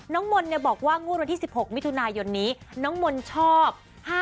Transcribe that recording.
น้องมนต์บอกว่างวดวันที่๑๖มิถุนายนน้องมนต์ชอบ๕๗๔๖๗๗๖๐๔๕